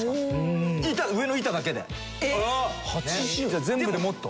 じゃあ全部でもっと。